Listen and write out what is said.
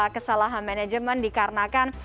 kesalahan manajemen dikarenakan